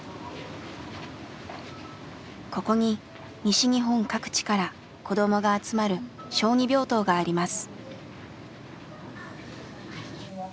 ここに西日本各地から子どもが集まる小児病棟があります。